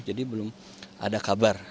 jadi belum ada kabar